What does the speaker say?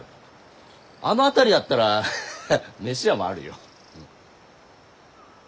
あの辺りだったらハハッ飯屋もあるよ。